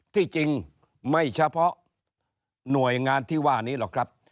ที่จริงไม่เฉพาะหน่วยงานที่ว่านี้หรอกครับ